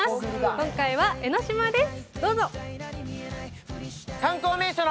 今回は江の島です。